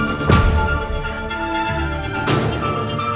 dia akan kembali ke rumah